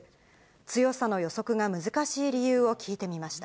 強さの予測が難しい理由を聞いてみました。